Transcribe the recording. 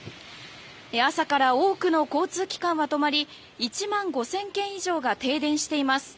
朝から多くの交通機関は止まり１万５０００軒以上が停電しています。